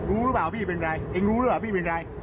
รู้หรือเปล่าพี่เป็นไรเองรู้หรือเปล่าพี่เป็นอะไร